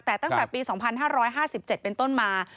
แต่ตั้งแต่ปี๒๕๕๗เป็นต้นมา